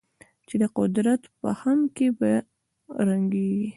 چې د قدرت په خُم کې به رنګېږي.